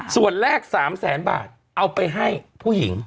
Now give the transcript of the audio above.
ส่วนแรก๓แสนบาทเอาไปให้ผู้หญิง